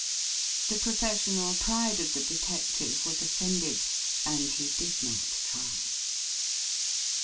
The professional pride of the detective was offended, and he did not try.